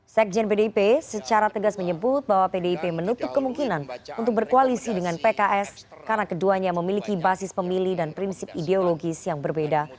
sekjen pdip secara tegas menyebut bahwa pdip menutup kemungkinan untuk berkoalisi dengan pks karena keduanya memiliki basis pemilih dan prinsip ideologis yang berbeda